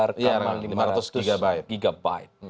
rekaman lima ratus gb